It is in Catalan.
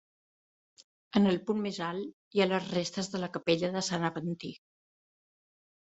En el punt més alt hi ha les restes de la capella de Sant Aventí.